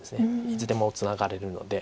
いつでもツナがれるので。